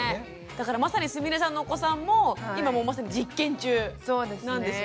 だからまさにすみれさんのお子さんも今もうまさに実験中なんですね。